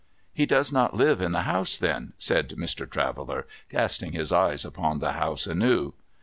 ' He does not live in the house, then ?' said Mr. Traveller, casting his eyes upon the house anew.